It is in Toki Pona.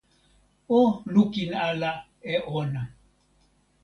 o lukin ala e ona!